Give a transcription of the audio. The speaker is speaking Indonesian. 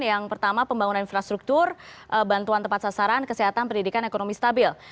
yang pertama pembangunan infrastruktur bantuan tempat sasaran kesehatan pendidikan ekonomi stabil